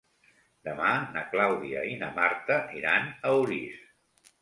Demà na Clàudia i na Marta iran a Orís.